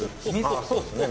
「ああそうですね。